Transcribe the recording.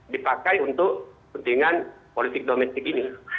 dipakai untuk kepentingan politik domestik ini